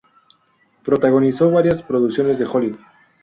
Protagonizó varias producciones de Hollywood.